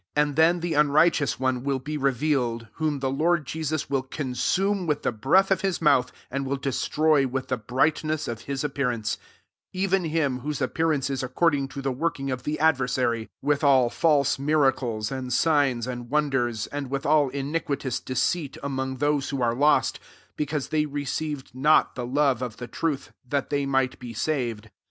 8 And then the unrighteous one will be revealed, whom the Lord Jesus will consume with the breath of his mouth, and will destroy with the brightness of his appearance; 9 even hinij whose appearance is according to the working of the adver sary, with all false miracles and signs and wonders, 10 and with all iniquitous deceit [amon^ those who are lost; because they received not the love of the truth, that they might be saved.